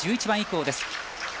１１番以降です。